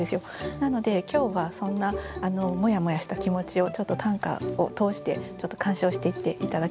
なので今日はそんなモヤモヤした気持ちを短歌を通して鑑賞していって頂ければなと思います。